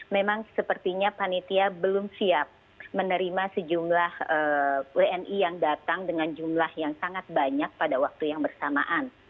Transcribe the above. memang sepertinya panitia belum siap menerima sejumlah wni yang datang dengan jumlah yang sangat banyak pada waktu yang bersamaan